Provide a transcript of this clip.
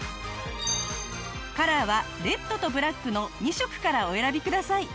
カラーはレッドとブラックの２色からお選びください。